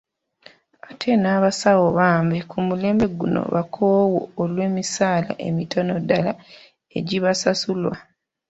Ate n'abasawo bambi ku mulembe guno bakoowu olw'emisaala emitono ddala egibasasulwa.